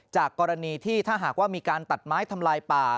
จากกรณีที่ถ้าหากว่ามีการตัดไม้ทำลายป่า